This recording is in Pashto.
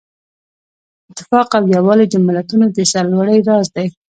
اتفاق او یووالی د ملتونو د سرلوړۍ راز دی.